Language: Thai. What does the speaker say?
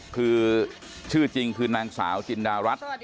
คือชื่อจริงคือนางสาวจินดารัฐ